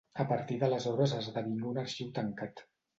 A partir d'aleshores esdevingué un arxiu tancat.